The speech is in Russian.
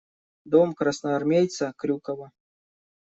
Дом красноармейца Крюкова.